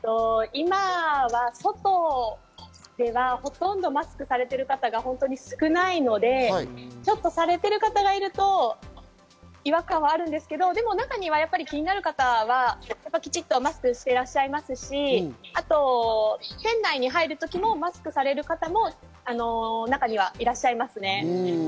今は外ではほとんどマスクされている方はほとんど少ないので、されている方がいると違和感はあるんですけれども、中には気になる方はきちっとマスクしていらっしゃいますし、店内に入るときもマスクされる方も中にはいらっしゃいますね。